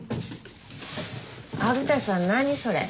虻田さん何それ？